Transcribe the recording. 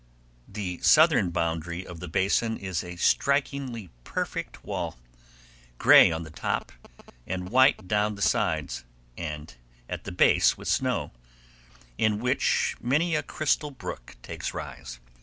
The southern boundary of the basin is a strikingly perfect wall, gray on the top, and white down the sides and at the base with snow, in which many a crystal brook takes rise.